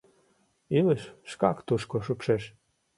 Илыш шкак тушко шупшеш.